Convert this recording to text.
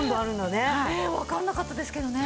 ねえわからなかったですけどね。